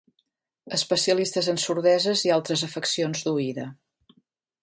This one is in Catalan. Especialistes en sordeses i altres afeccions d'oïda.